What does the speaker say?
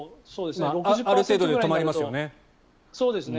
ある程度で止まりますよね。